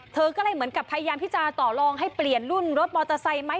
เธอก็เลยเหมือนกับพยายามที่จะต่อลองให้เปลี่ยนรุ่นรถมอเตอร์ไซค์ไหม